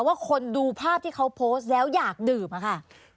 ว่าคนดูภาพที่เขาโพสต์แล้วอยากดื่มอะค่ะ